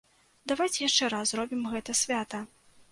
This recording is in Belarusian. Давайце яшчэ раз зробім гэта свята.